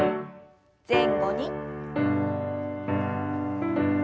前後に。